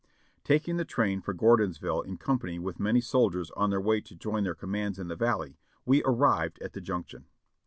Taking the train for Gordonsville in company with many sol diers on their way to join their commands in the Valley, we ar rived at the junction.